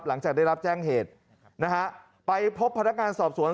หลังจากได้รับแจ้งเหตุนะฮะไปพบพนักงานสอบสวน